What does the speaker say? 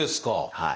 はい。